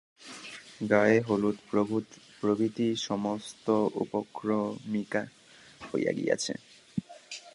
গায়ে-হলুদ প্রভৃতি সমস্ত উপক্রমণিকা হইয়া গিয়াছে।